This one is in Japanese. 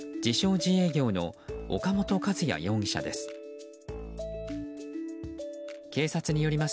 自営業の岡本和哉容疑者です。